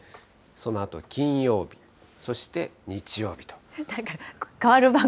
そのあと金曜日、そして、日曜日と。